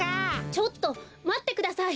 ちょっとまってください。